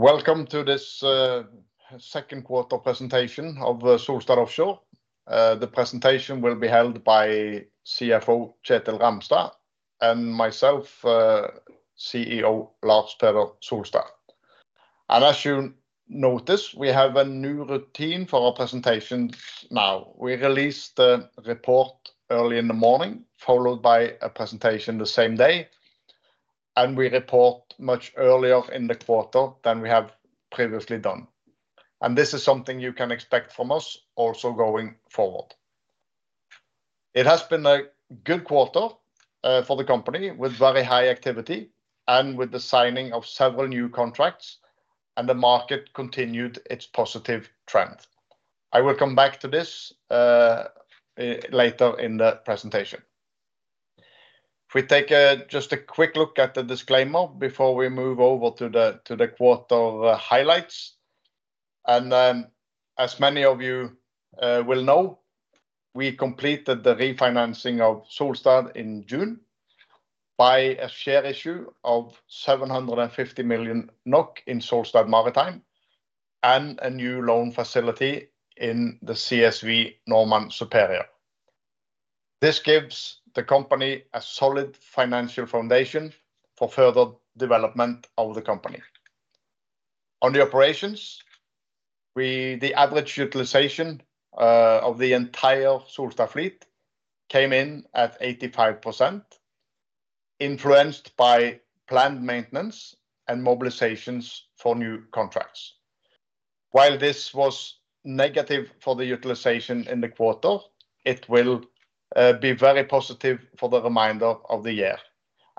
Welcome to this second quarter presentation of the Solstad Offshore. The presentation will be held by CFO, Kjetil Ramstad, and myself, CEO, Lars Peder Solstad. As you notice, we have a new routine for our presentation now. We released the report early in the morning, followed by a presentation the same day, and we report much earlier in the quarter than we have previously done, and this is something you can expect from us also going forward. It has been a good quarter for the company, with very high activity and with the signing of several new contracts, and the market continued its positive trend. I will come back to this later in the presentation. If we take just a quick look at the disclaimer before we move over to the quarter highlights. As many of you will know, we completed the refinancing of Solstad in June by a share issue of 750 million NOK in Solstad Maritime, and a new loan facility in the CSV Normand Superior. This gives the company a solid financial foundation for further development of the company. On the operations, the average utilization of the entire Solstad fleet came in at 85%, influenced by planned maintenance and mobilizations for new contracts. While this was negative for the utilization in the quarter, it will be very positive for the remainder of the year,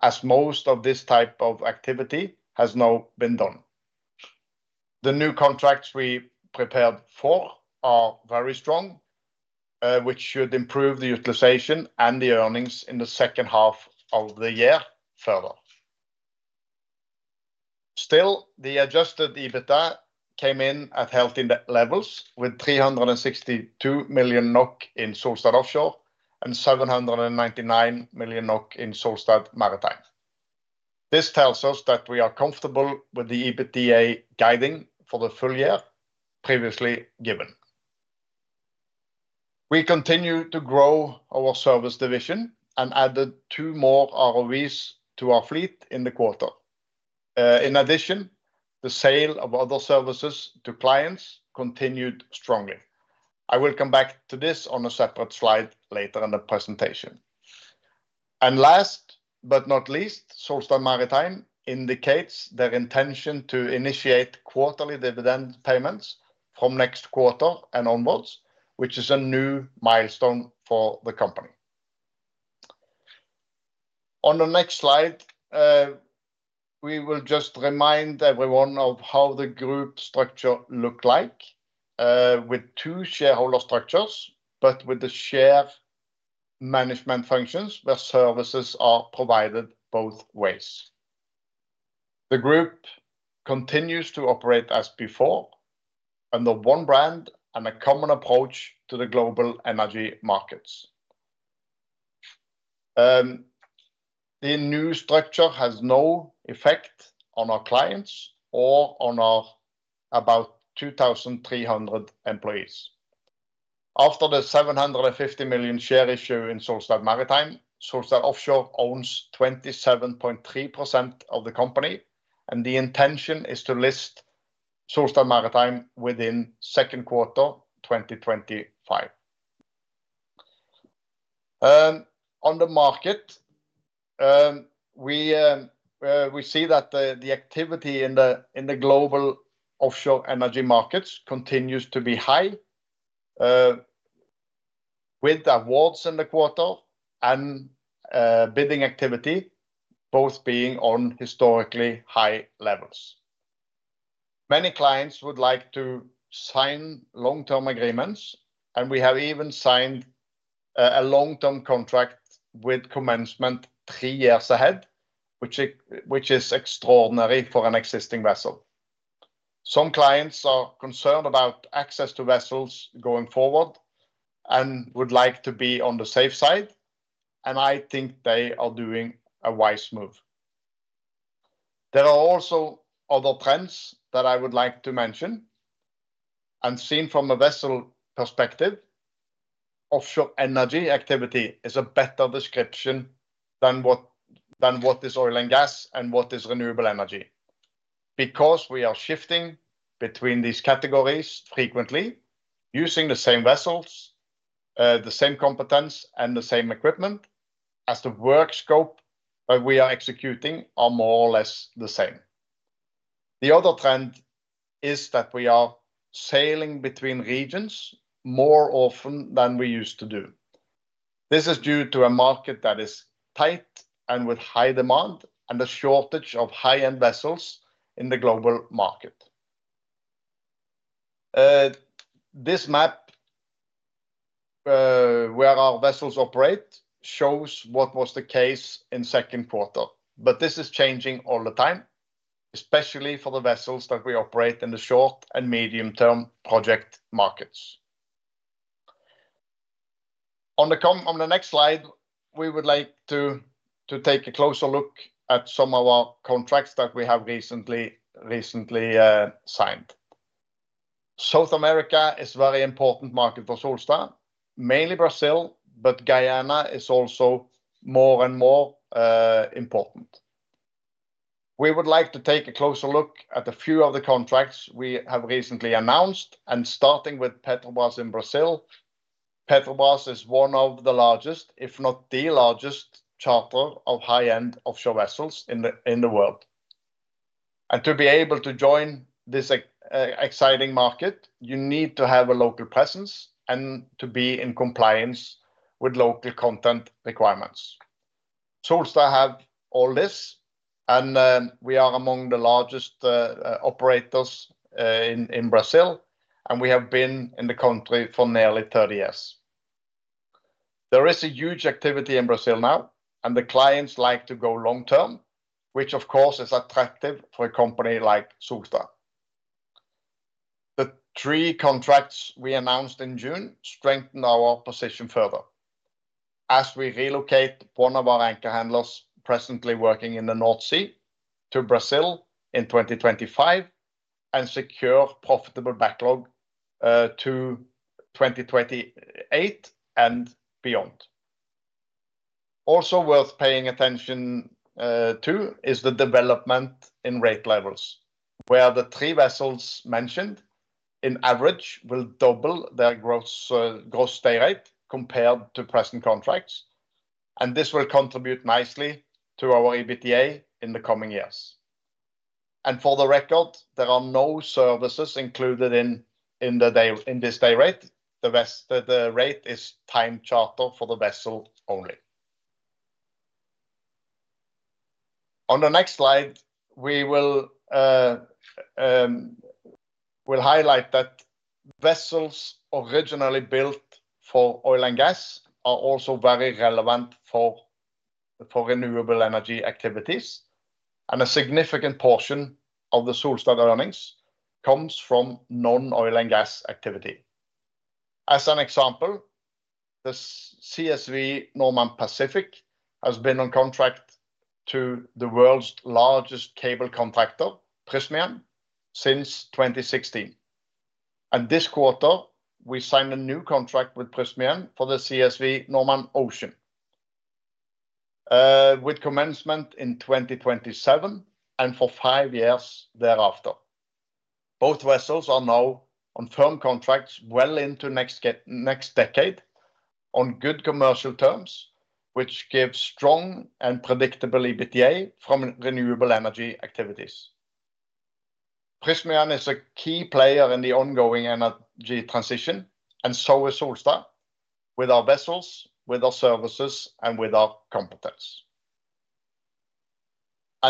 as most of this type of activity has now been done. The new contracts we prepared for are very strong, which should improve the utilization and the earnings in the second half of the year further. Still, the adjusted EBITDA came in at healthy levels, with 362 million NOK in Solstad Offshore and 799 million NOK in Solstad Maritime. This tells us that we are comfortable with the EBITDA guiding for the full year previously given. We continue to grow our service division and added two more ROVs to our fleet in the quarter. In addition, the sale of other services to clients continued strongly. I will come back to this on a separate slide later in the presentation. And last but not least, Solstad Maritime indicates their intention to initiate quarterly dividend payments from next quarter and onwards, which is a new milestone for the company. On the next slide, we will just remind everyone of how the group structure look like, with two shareholder structures, but with the shared management functions, the services are provided both ways. The group continues to operate as before, under one brand and a common approach to the global energy markets. The new structure has no effect on our clients or on our about 2,300 employees. After the 750 million share issue in Solstad Maritime, Solstad Offshore owns 27.3% of the company, and the intention is to list Solstad Maritime within second quarter 2025. On the market, we see that the activity in the global offshore energy markets continues to be high, with awards in the quarter and bidding activity both being on historically high levels. Many clients would like to sign long-term agreements, and we have even signed a long-term contract with commencement three years ahead, which is extraordinary for an existing vessel. Some clients are concerned about access to vessels going forward and would like to be on the safe side, and I think they are doing a wise move. There are also other trends that I would like to mention, and seen from a vessel perspective, offshore energy activity is a better description than what is oil and gas and what is renewable energy. Because we are shifting between these categories frequently, using the same vessels, the same competence and the same equipment, as the work scope that we are executing are more or less the same. The other trend is that we are sailing between regions more often than we used to do. This is due to a market that is tight and with high demand, and a shortage of high-end vessels in the global market. This map, where our vessels operate, shows what was the case in second quarter. But this is changing all the time, especially for the vessels that we operate in the short and medium-term project markets. On the next slide, we would like to take a closer look at some of our contracts that we have recently signed. South America is very important market for Solstad, mainly Brazil, but Guyana is also more and more important. We would like to take a closer look at a few of the contracts we have recently announced, and starting with Petrobras in Brazil. Petrobras is one of the largest, if not the largest, charter of high-end offshore vessels in the world. And to be able to join this exciting market, you need to have a local presence and to be in compliance with local content requirements. Solstad have all this, and we are among the largest operators in Brazil, and we have been in the country for nearly 30 years. There is a huge activity in Brazil now, and the clients like to go long-term, which of course is attractive for a company like Solstad. The three contracts we announced in June strengthened our position further. As we relocate one of our anchor handlers presently working in the North Sea to Brazil in 2025, and secure profitable backlog to 2028 and beyond. Also worth paying attention to is the development in rate levels, where the three vessels mentioned in average will double their gross gross day rate compared to present contracts, and this will contribute nicely to our EBITDA in the coming years. And for the record, there are no services included in this day rate. The rate is time charter for the vessel only. On the next slide, we'll highlight that vessels originally built for oil and gas are also very relevant for renewable energy activities, and a significant portion of the Solstad earnings comes from non-oil and gas activity. As an example, the CSV Normand Pacific has been on contract to the world's largest cable contractor, Prysmian, since 2016. This quarter, we signed a new contract with Prysmian for the CSV Normand Ocean, with commencement in 2027 and for five years thereafter. Both vessels are now on firm contracts well into next decade on good commercial terms, which gives strong and predictable EBITDA from renewable energy activities. Prysmian is a key player in the ongoing energy transition, and so is Solstad, with our vessels, with our services, and with our competence.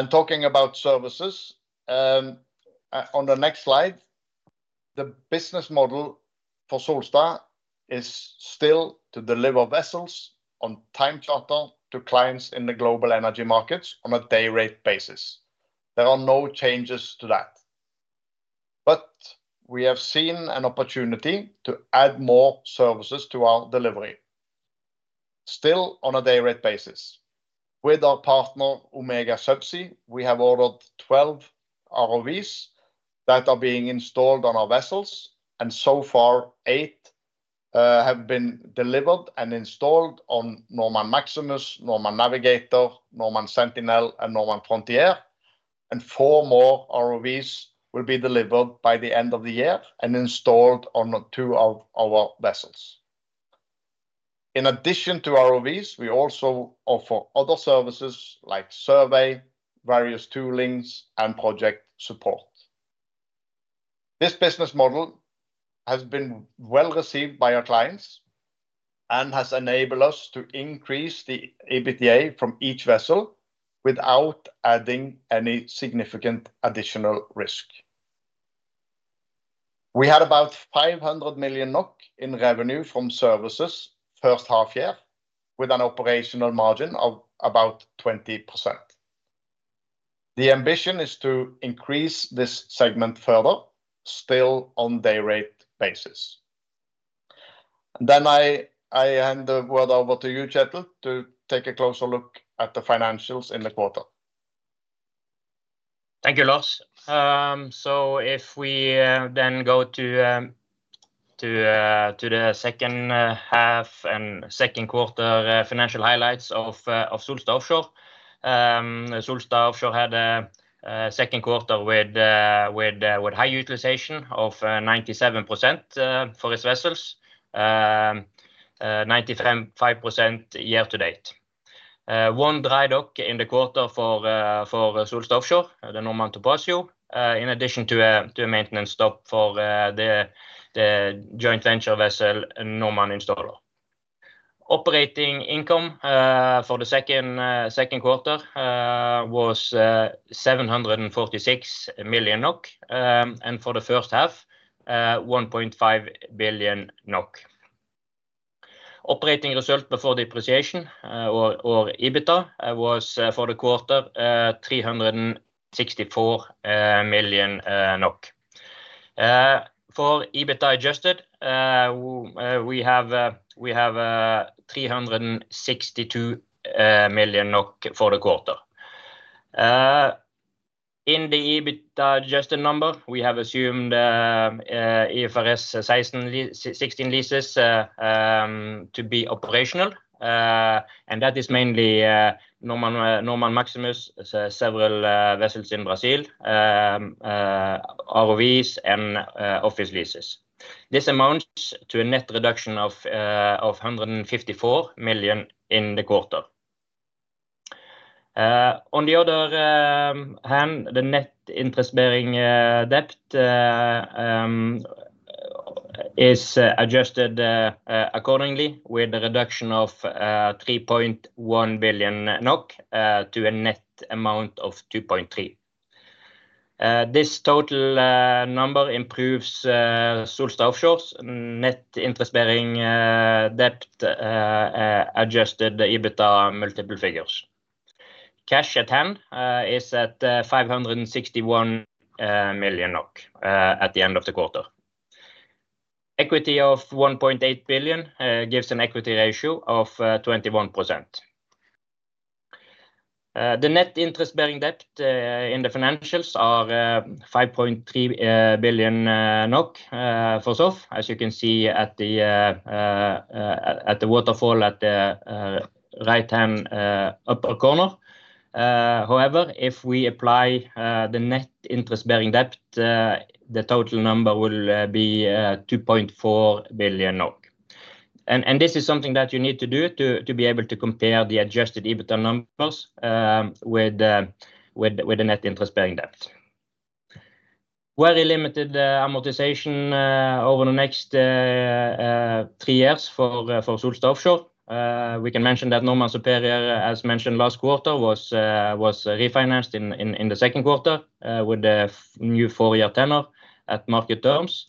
Talking about services, on the next slide, the business model for Solstad is still to deliver vessels on time charter to clients in the global energy markets on a day rate basis. There are no changes to that. But we have seen an opportunity to add more services to our delivery, still on a day rate basis. With our partner, Omega Subsea, we have ordered 12 ROVs that are being installed on our vessels, and so far eight have been delivered and installed on Normand Maximus, Normand Navigator, Normand Sentinel and Normand Frontier. Four more ROVs will be delivered by the end of the year and installed on two of our vessels. In addition to ROVs, we also offer other services like survey, various toolings and project support. This business model has been well received by our clients and has enabled us to increase the EBITDA from each vessel without adding any significant additional risk. We had about 500 million NOK in revenue from services first half year, with an operational margin of about 20%. The ambition is to increase this segment further, still on day rate basis. Then I hand the word over to you, Kjetil, to take a closer look at the financials in the quarter. Thank you, Lars. So if we then go to the second half and second quarter financial highlights of Solstad Offshore. Solstad Offshore had a second quarter with high utilization of 97% for its vessels. 95% year to date. One dry dock in the quarter for Solstad Offshore, the Normand Topaz, in addition to a maintenance stop for the joint venture vessel, Normand Installer. Operating income for the second quarter was 746 million NOK, and for the first half, 1.5 billion NOK. Operating result before depreciation, or EBITDA, was for the quarter 364 million NOK. For EBIT adjusted, we have 362 million for the quarter. In the EBIT adjusted number, we have assumed IFRS 16 leases to be operational. And that is mainly Normand Maximus, several vessels in Brazil, ROVs and office leases. This amounts to a net reduction of 154 million in the quarter. On the other hand, the net interest-bearing debt is adjusted accordingly, with a reduction of 3.1 billion NOK to a net amount of 2.3 billion . This total number improves Solstad Offshore's net interest-bearing debt adjusted the EBITDA multiple figures. Cash at hand is at 561 million NOK at the end of the quarter. Equity of 1.8 billion gives an equity ratio of 21%. The net interest-bearing debt in the financials are 5.3 billion NOK for SOFF, as you can see at the waterfall at the right-hand upper corner. However, if we apply the net interest-bearing debt, the total number will be 2.4 billion. And this is something that you need to do to be able to compare the adjusted EBITDA numbers with the net interest-bearing debt. Very limited amortization over the next three years for Solstad Offshore. We can mention that Normand Superior, as mentioned last quarter, was refinanced in the second quarter with a new four-year tenor at market terms.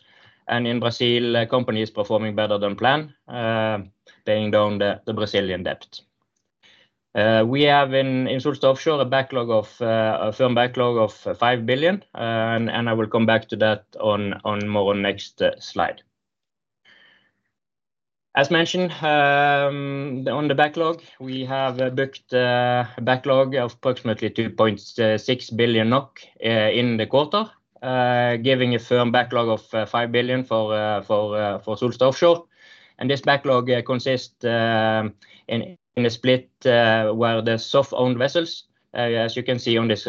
In Brazil, the company is performing better than planned, paying down the Brazilian debt. We have in Solstad Offshore a backlog of a firm backlog of 5 billion, and I will come back to that on the next slide. As mentioned, on the backlog, we have booked a backlog of approximately 2.6 billion NOK in the quarter, giving a firm backlog of 5 billion for Solstad Offshore. This backlog consists in a split where the SOFF-owned vessels, as you can see on this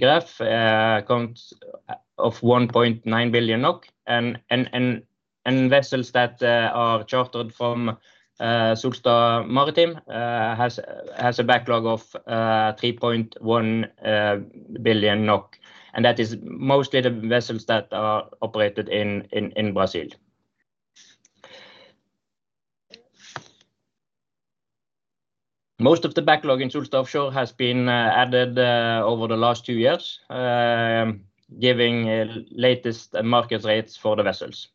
graph, accounts for 1.9 billion NOK and vessels that are chartered from Solstad Maritime has a backlog of 3.1 billion NOK, and that is mostly the vessels that are operated in Brazil. Most of the backlog in Solstad Offshore has been added over the last two years, giving latest market rates for the vessels.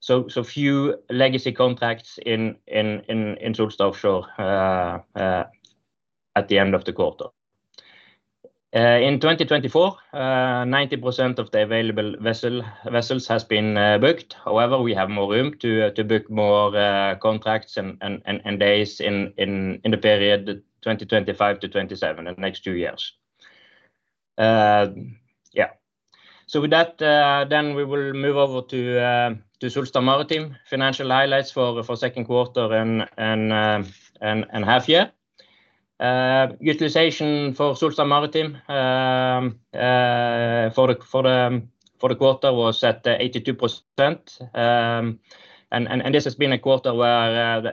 So few legacy contracts in Solstad Offshore at the end of the quarter. In 2024, 90% of the available vessels has been booked. However, we have more room to book more contracts and days in the period 2025 - 2027, the next two years. Yeah. So with that, we will move over to Solstad Maritime financial highlights for the second quarter and half year. Utilization for Solstad Maritime for the quarter was at 82%. And this has been a quarter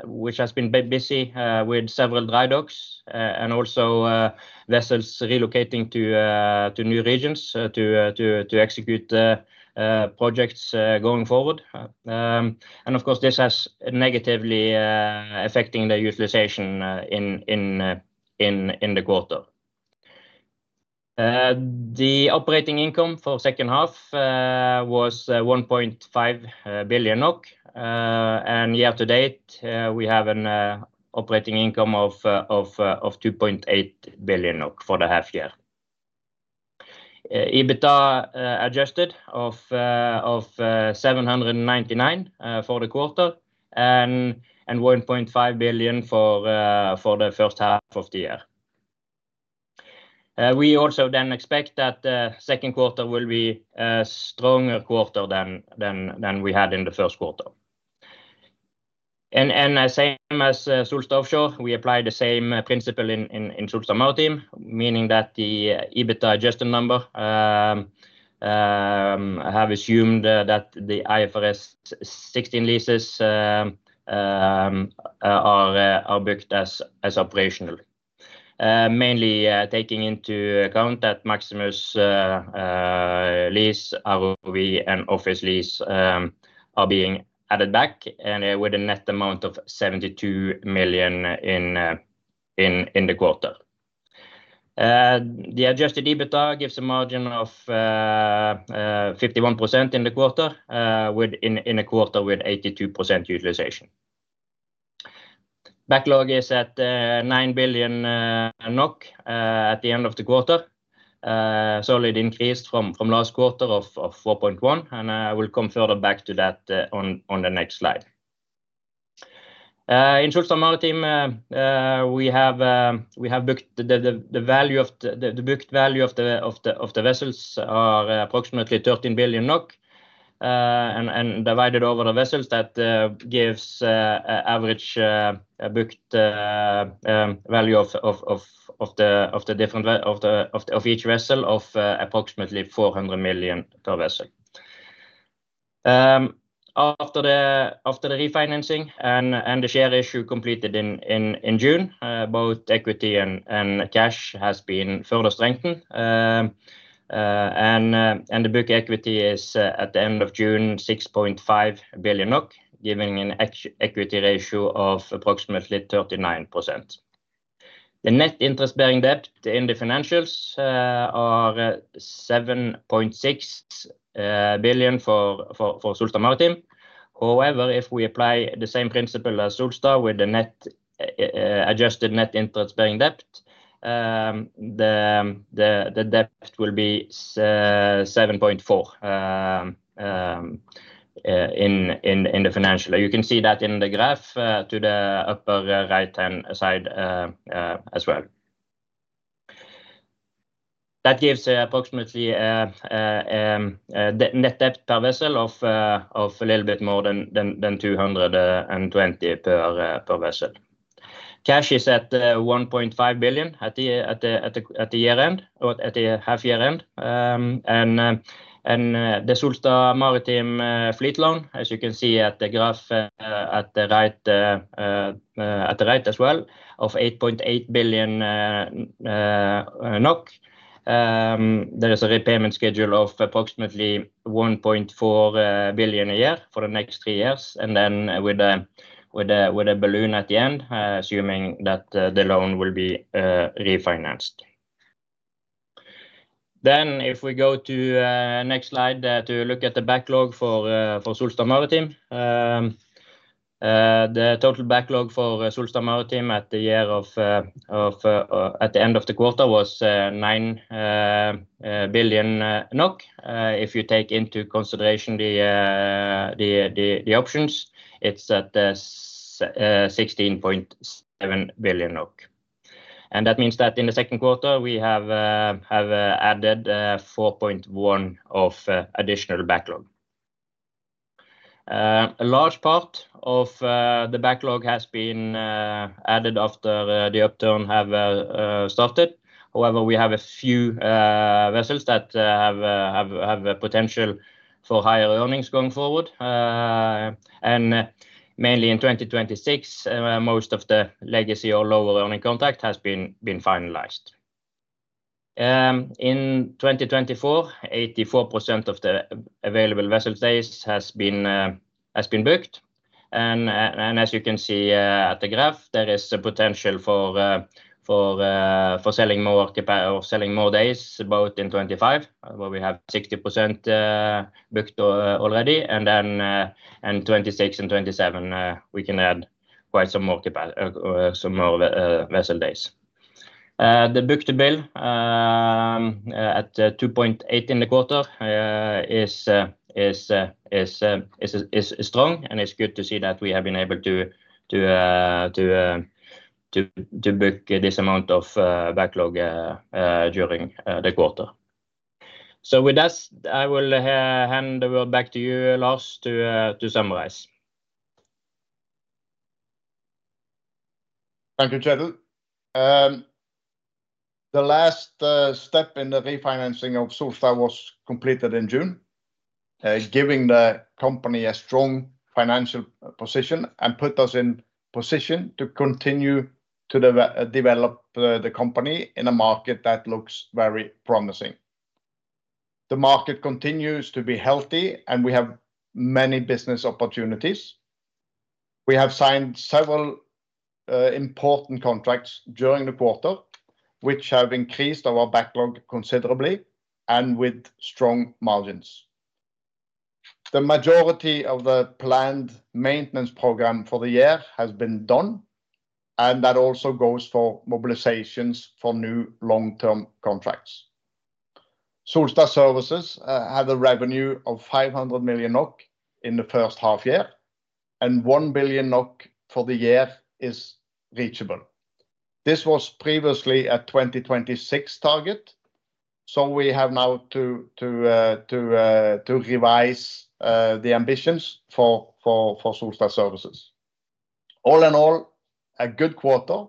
which has been a bit busy with several dry docks and also vessels relocating to new regions to execute the projects going forward. And of course, this has negatively affecting the utilization in the quarter. The operating income for second half was 1.5 billion NOK. Year to date, we have an operating income of 2.8 billion NOK for the half year. EBITDA adjusted of 799 million for the quarter, and 1.5 billion for the first half of the year. We also then expect that the second quarter will be a stronger quarter than we had in the first quarter. The same as Solstad Offshore, we apply the same principle in Solstad Maritime, meaning that the EBITDA adjusted number have assumed that the IFRS 16 leases are booked as operational. Mainly, taking into account that Maximus lease, ROV, and office lease are being added back, and with a net amount of 72 million in the quarter. The adjusted EBITDA gives a margin of 51% in the quarter, with, in a quarter with 82% utilization. Backlog is at 9 billion NOK at the end of the quarter. So it increased from last quarter of 4.1 billion, and we'll come further back to that on the next slide. In Solstad Maritime, we have booked the booked value of the vessels at approximately 13 billion NOK. Divided over the vessels, that gives an average booked value of approximately 400 million per vessel. After the refinancing and the share issue completed in June, both equity and cash has been further strengthened. The book equity is at the end of June 6.5 billion, giving an equity ratio of approximately 39%. The net interest-bearing debt in the financials are 7.6 billion for Solstad Maritime. However, if we apply the same principle as Solstad with the net, adjusted net interest-bearing debt, the debt will be 7.4 billion in the financial. You can see that in the graph to the upper right-hand side as well. That gives approximately net debt per vessel of a little bit more than 220 million per vessel. Cash is at 1.5 billion at the year-end or at the half year-end. And the Solstad Maritime fleet loan, as you can see at the graph at the right as well, of 8.8 billion NOK. There is a repayment schedule of approximately 1.4 billion a year for the next three years, and then with a balloon at the end, assuming that the loan will be refinanced. If we go to next slide to look at the backlog for Solstad Maritime. The total backlog for Solstad Maritime at the end of the quarter was 9 billion. If you take into consideration the options, it's at 16.7 billion. And that means that in the second quarter, we have added 4.1 billion of additional backlog. A large part of the backlog has been added after the upturn have started. However, we have a few vessels that have a potential for higher earnings going forward. And mainly in 2026, most of the legacy or lower earning contract has been finalized. In 2024, 84% of the available vessel days has been booked. And as you can see at the graph, there is a potential for selling more capacity or selling more days, both in 2025, where we have 60% booked already, and then and 2026 and 2027, we can add quite some more capacity, some more vessel days. The book-to-bill at 2.8 in the quarter is strong, and it's good to see that we have been able to book this amount of backlog during the quarter. So with that, I will hand over back to you, Lars, to summarize. Thank you, Kjetil. The last step in the refinancing of Solstad was completed in June, giving the company a strong financial position and put us in position to continue to develop the company in a market that looks very promising. The market continues to be healthy, and we have many business opportunities. We have signed several important contracts during the quarter, which have increased our backlog considerably and with strong margins. The majority of the planned maintenance program for the year has been done, and that also goes for mobilizations for new long-term contracts. Solstad Services had a revenue of 500 million NOK in the first half year, and 1 billion NOK for the year is reachable. This was previously a 2026 target, so we have now to revise the ambitions for Solstad Services. All in all, a good quarter,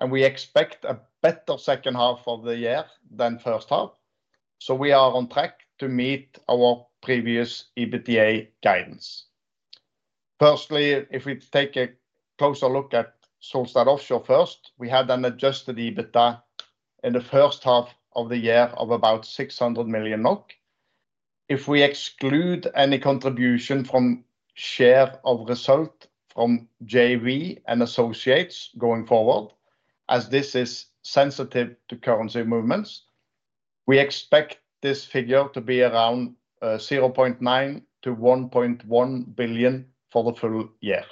and we expect a better second half of the year than first half, so we are on track to meet our previous EBITDA guidance. Firstly, if we take a closer look at Solstad Offshore first, we had an adjusted EBITDA in the first half of the year of about 600 million NOK. If we exclude any contribution from share of result from JV and associates going forward, as this is sensitive to currency movements, we expect this figure to be around 0.9 billion-1.1 billion for the full year.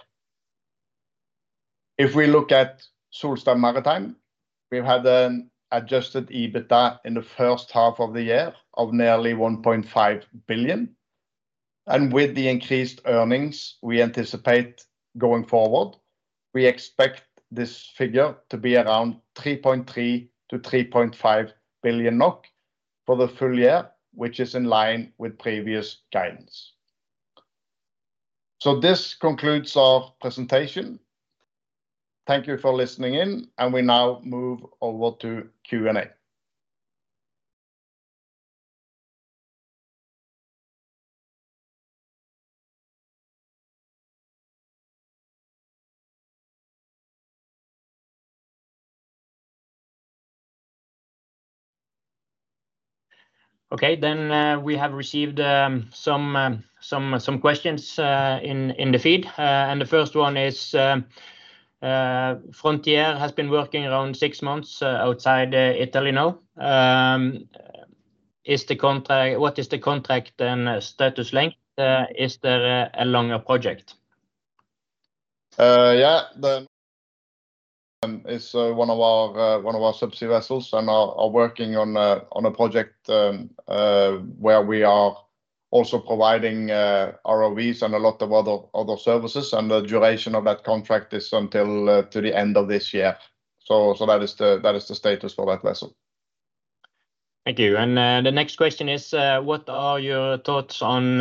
If we look at Solstad Maritime, we've had an adjusted EBITDA in the first half of the year of nearly 1.5 billion, and with the increased earnings we anticipate going forward, we expect this figure to be around 3.3 billion-3.5 billion NOK for the full year, which is in line with previous guidance. So this concludes our presentation. Thank you for listening in, and we now move over to Q&A. Okay, then, we have received some questions in the feed. And the first one is: Frontier has been working around six months outside Italy now. Is the contract - what is the contract and status length? Is there a longer project? Yeah, the Frontier is one of our subsea vessels and are working on a project where we are also providing ROVs and a lot of other services, and the duration of that contract is until to the end of this year. So that is the status for that vessel. Thank you, and, the next question is, what are your thoughts on,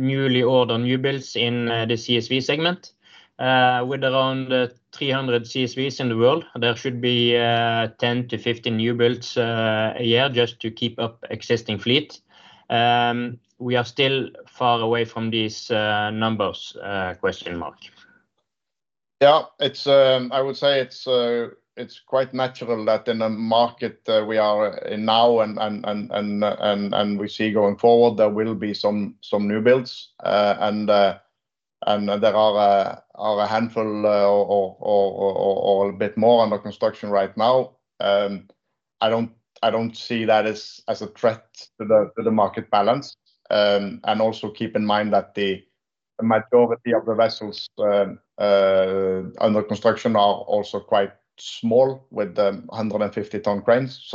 newly ordered newbuilds in, the CSV segment? With around 300 CSVs in the world, there should be, 10-15 newbuilds, a year just to keep up existing fleet. We are still far away from these, numbers. Yeah, it's... I would say it's quite natural that in a market we are in now and we see going forward, there will be some newbuilds. And there are a handful or a bit more under construction right now. I don't see that as a threat to the market balance. And also keep in mind that the majority of the vessels under construction are also quite small, with 150-ton cranes.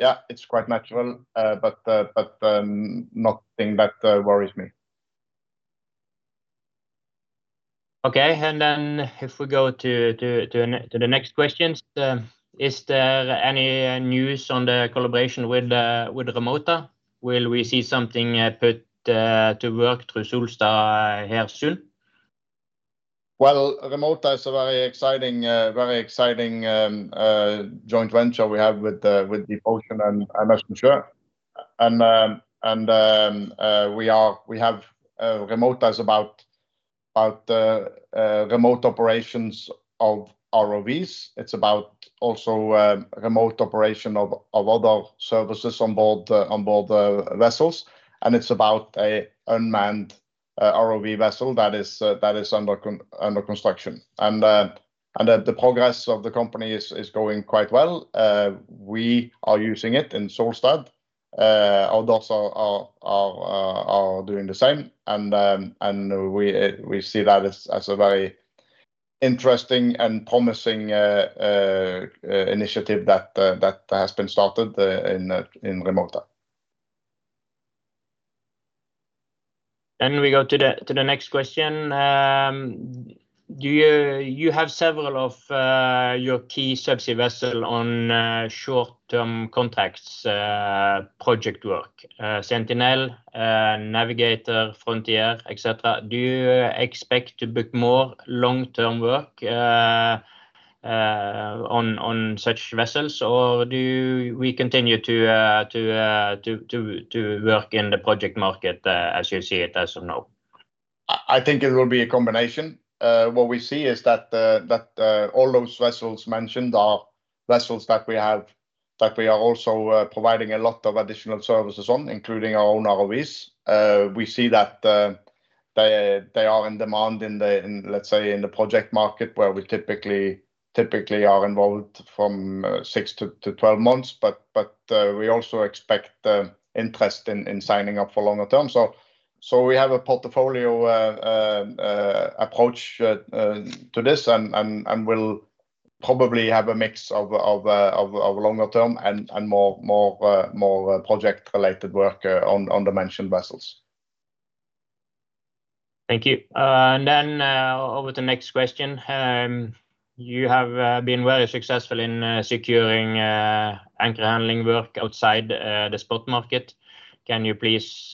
Yeah, it's quite natural, but nothing that worries me. Okay, and then if we go to the next question: Is there any news on the collaboration with Remota? Will we see something put to work through Solstad here soon? Well, Remota is a very exciting, very exciting, joint venture we have with, with DeepOcean and, and Østensjø Rederi. And, and, Remota is about, about, remote operations of ROVs. It's about also, remote operation of, of other services on board, on board the vessels, and it's about a unmanned, ROV vessel that is, that is under construction. And, and the progress of the company is, is going quite well. We are using it in Solstad. Others are, are, are, are doing the same, and, and we, we see that as, as a very interesting and promising, initiative that, that has been started, in, in Remota. Then we go to the next question. Do you... You have several of your key subsea vessel on short-term contracts, project work, Sentinel, Navigator, Frontier, et cetera. Do you expect to book more long-term work, on such vessels, or do we continue to work in the project market, as you see it as of now? I think it will be a combination. What we see is that all those vessels mentioned are vessels that we have, that we are also providing a lot of additional services on, including our own ROVs. We see that they are in demand in the, let's say, in the project market, where we typically are involved from 6 - 12 months. We also expect interest in signing up for longer term. We have a portfolio approach to this, and we'll probably have a mix of longer term and more project-related work on the mentioned vessels. Thank you. Over to the next question. You have been very successful in securing anchor handling work outside the spot market. Can you please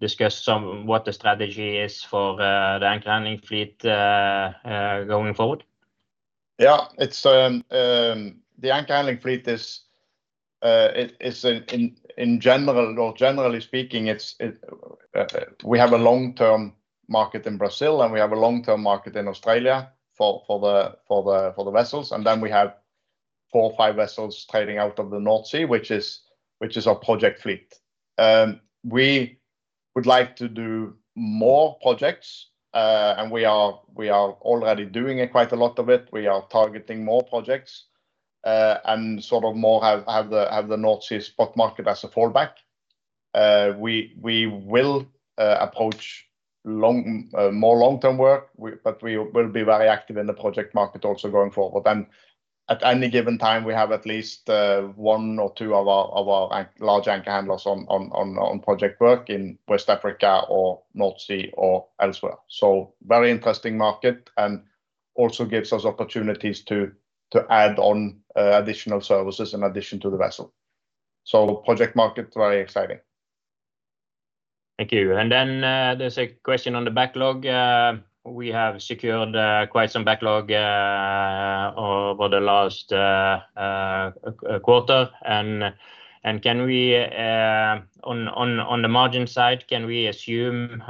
discuss what the strategy is for the anchor handling fleet going forward? Yeah, it's the anchor handling fleet is, in general or generally speaking, it's we have a long-term market in Brazil, and we have a long-term market in Australia for the vessels. And then we have four or five vessels trading out of the North Sea, which is our project fleet. We would like to do more projects, and we are already doing quite a lot of it. We are targeting more projects, and sort of more have the North Sea spot market as a fallback. We will approach more long-term work, but we will be very active in the project market also going forward. And at any given time, we have at least one or two of our large anchor handlers on project work in West Africa or North Sea or elsewhere. So very interesting market, and also gives us opportunities to add on additional services in addition to the vessel. So project market, very exciting. Thank you. And then, there's a question on the backlog. We have secured quite some backlog over the last quarter. And, can we, on the margin side, can we assume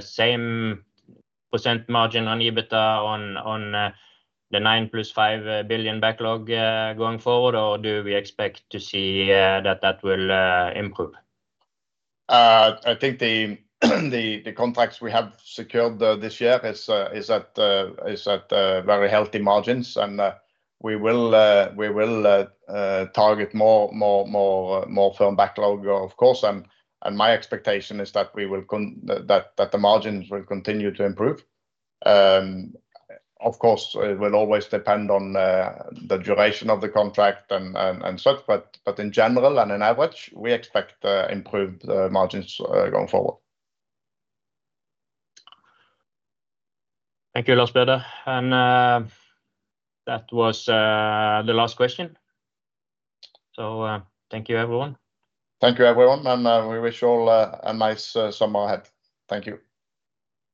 same % margin on EBITDA on the 9 + 5 billion backlog going forward, or do we expect to see that that will improve? I think the contracts we have secured this year is at very healthy margins. And we will target more firm backlog, of course. And my expectation is that the margins will continue to improve. Of course, it will always depend on the duration of the contract and such, but in general and in average, we expect improved margins going forward. Thank you, Lars Peder. That was the last question. Thank you, everyone. Thank you, everyone, and we wish you all a nice summer ahead. Thank you.